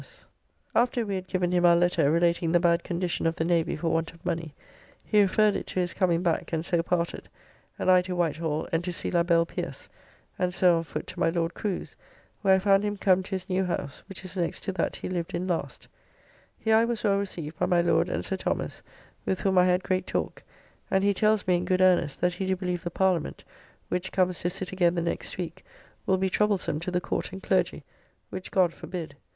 ] After we had given him our letter relating the bad condition of the Navy for want of money, he referred it to his coming back and so parted, and I to Whitehall and to see la belle Pierce, and so on foot to my Lord Crew's, where I found him come to his new house, which is next to that he lived in last; here I was well received by my Lord and Sir Thomas, with whom I had great talk: and he tells me in good earnest that he do believe the Parliament (which comes to sit again the next week), will be troublesome to the Court and Clergy, which God forbid!